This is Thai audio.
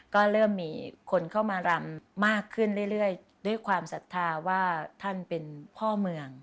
ก็เริ่มมีคนเข้ามารำมากขึ้นเรื่อยด้วยความศรัทธาว่าท่านเป็นพ่อเมือง